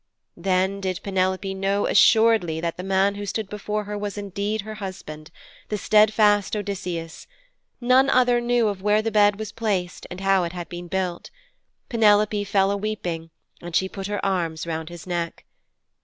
Then did Penelope know assuredly that the man who stood before her was indeed her husband, the steadfast Odysseus none other knew of where the bed was placed, and how it had been built. Penelope fell a weeping and she put her arms round his neck.